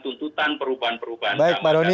tuntutan perubahan perubahan kami